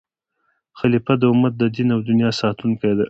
خلیفه د امت د دین او دنیا ساتونکی دی.